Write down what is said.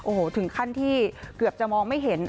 โอ้โหถึงขั้นที่เกือบจะมองไม่เห็น